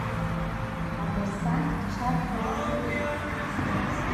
Абырсааҭк чарҳәара изыруит.